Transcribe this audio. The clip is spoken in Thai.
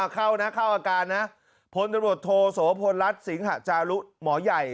เข้านะเข้าอาการนะพลตำรวจโทโสพลรัฐสิงหะจารุหมอใหญ่